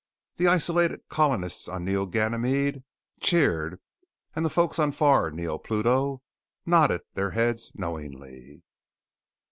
The isolated colonists on NeoGanymede cheered and the folks on far NeoPluto nodded their heads knowingly.